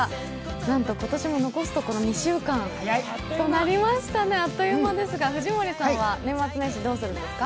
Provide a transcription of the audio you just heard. なんと今年も残すところ２週間となりましたね、あっという間ですが、年末年始どうするんですか？